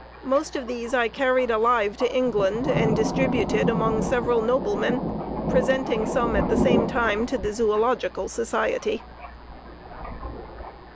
Most of these I carried alive to England, and distributed among several noblemen, presenting some at the same time to the Zoölogical Society.